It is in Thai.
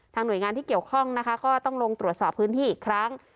หน่วยงานที่เกี่ยวข้องนะคะก็ต้องลงตรวจสอบพื้นที่อีกครั้ง